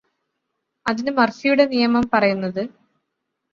അതിന് മര്ഫിയുടെ നിയമം പറയുന്നത്